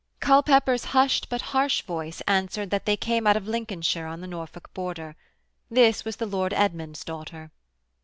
Culpepper's hushed but harsh voice answered that they came out of Lincolnshire on the Norfolk border. This was the Lord Edmund's daughter.